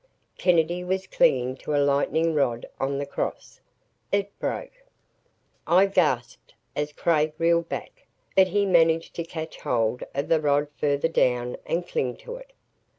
Kennedy was clinging to a lightning rod on the cross. It broke. I gasped as Craig reeled back. But he managed to catch hold of the rod further down and cling to it.